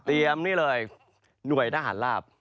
เตรียมนี่เลยหน่วยทหารลาบ